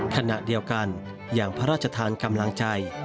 ขณะเดียวกันอย่างพระราชทานกำลังใจ